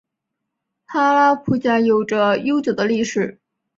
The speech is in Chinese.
哈拉卜贾有着悠久的历史。